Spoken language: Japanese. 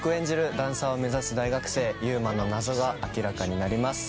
ダンサーを目指す大学生祐馬の謎が明らかになります